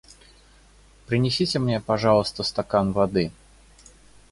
Принесите мне, пожалуйста, стакан воды.